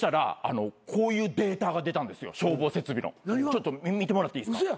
ちょっと見てもらっていいですか？